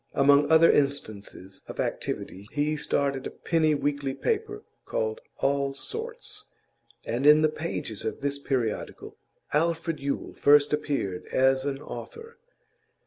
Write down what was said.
Among other instances of activity he started a penny weekly paper, called All Sorts, and in the pages of this periodical Alfred Yule first appeared as an author.